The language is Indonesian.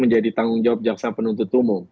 menjadi tanggung jawab jaksa penuntut umum